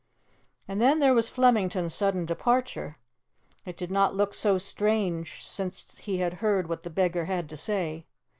And then there was Flemington's sudden departure. It did not look so strange since he had heard what the beggar had to say.